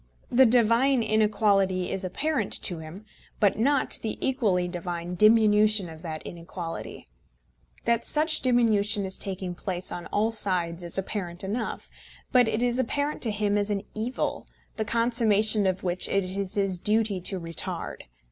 The divine inequality is apparent to him, but not the equally divine diminution of that inequality. That such diminution is taking place on all sides is apparent enough; but it is apparent to him as an evil, the consummation of which it is his duty to retard.